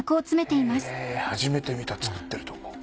へぇ初めて見た作ってるとこ。